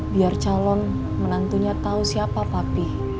biar calon menantunya tau siapa papih